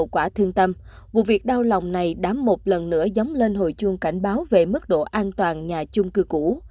vụ quả thương tâm vụ việc đau lòng này đã một lần nữa dóng lên hồi chuông cảnh báo về mức độ an toàn nhà chung cư cũ